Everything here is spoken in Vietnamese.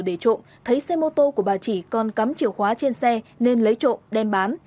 để trộm thấy xe mô tô của bà chỉ còn cắm chìa khóa trên xe nên lấy trộm đem bán